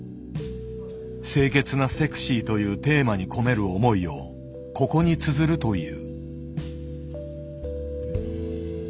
「清潔なセクシー」というテーマに込める思いをここにつづるという。